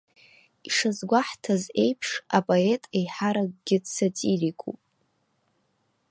Ишазгәаҳҭаз еиԥш, апоет еиҳаракгьы дсатирикуп.